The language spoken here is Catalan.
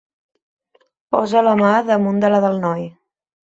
Posa la mà damunt de la del noi.